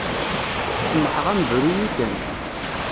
Semmḥeɣ-am bru-yi kan.